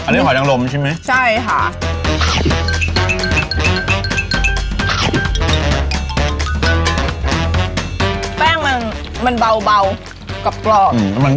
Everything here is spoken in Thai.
เศรษะปลากูเลย